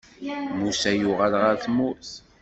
Musa yuɣal ɣer tmurt.